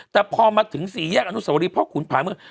แต่พอมาถึงสี่แยกอนุสวรีพ่อขุนผายเมือง